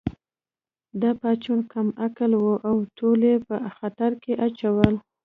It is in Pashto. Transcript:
دا پاڅون کم عقلې وه او ټول یې په خطر کې اچول